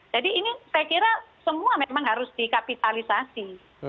jadi ini saya kira semua memang harus dikapitalisasi